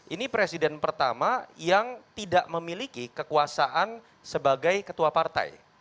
ini presiden pertama yang tidak memiliki kekuasaan sebagai ketua partai